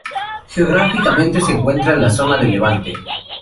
Geográficamente, se encuentra en la zona del levante.